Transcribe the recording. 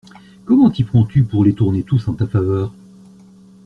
Comment t'y prends-tu pour les tourner tous en ta faveur!